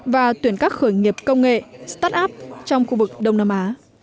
và tuyển các khởi nghiệp công nghệ startup trong khu vực đông nam á